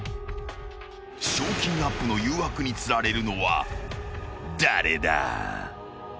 ［賞金アップの誘惑に釣られるのは誰だ？］